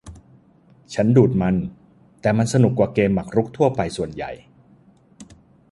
ฉันดูดมัน แต่มันสนุกกว่าเกมหมากรุกทั่วไปส่วนใหญ่